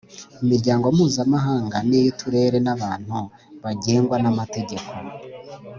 imiryango mpuzamahanga n’iy’uturere n’abantu bagengwa n’amategeko